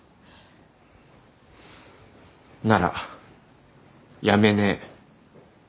なら辞めねえ。